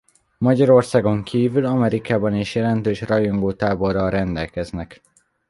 Magyarországon kívül Amerikában is jelentős rajongótáborral rendelkeznek.